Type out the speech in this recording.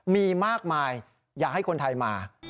มีมากมายอยากให้คนไทยมา